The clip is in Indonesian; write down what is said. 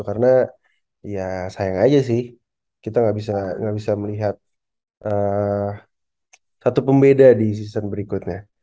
karena ya sayang aja sih kita gak bisa melihat satu pembeda di season berikutnya